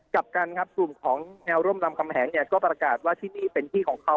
กลับกันครับกลุ่มของแนวร่มรำคำแหงเนี่ยก็ประกาศว่าที่นี่เป็นที่ของเขา